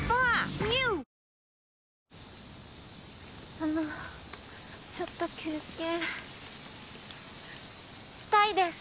あのちょっと休憩したいです